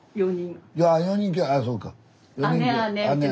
ああそうか。